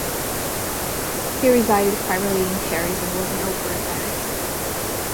He resided primarily in Paris and was an opera director.